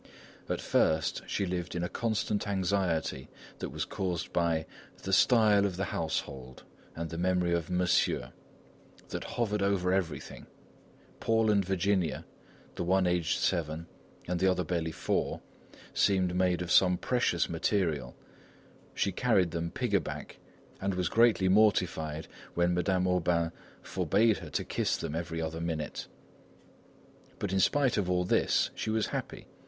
At first she lived in a constant anxiety that was caused by "the style of the household" and the memory of "Monsieur," that hovered over everything. Paul and Virginia, the one aged seven, and the other barely four, seemed made of some precious material; she carried them pig a back, and was greatly mortified when Madame Aubain forbade her to kiss them every other minute. But in spite of all this, she was happy.